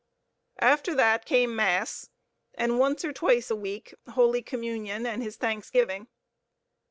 After that came Mass and, once or twice a week, Holy Communion and his thanksgiving.